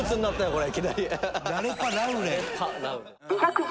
これ」